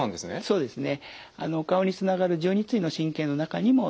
そうですね。